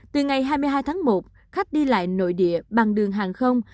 từ ngày hai mươi hai tháng một khách đi lại nội địa bằng đường hàng không